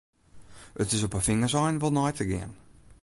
It is op 'e fingerseinen wol nei te gean.